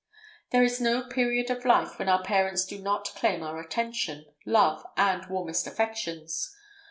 There is no period of life when our parents do not claim our attention, love, and warmest affections.